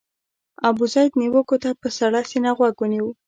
ابوزید نیوکو ته په سړه سینه غوږ ونیو.